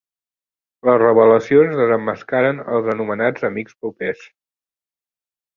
Les revelacions desemmascaren els anomenats amics propers.